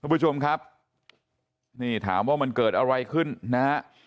คุณผู้ชมครับนี่ถามว่ามันเกิดอะไรขึ้นนะฮะ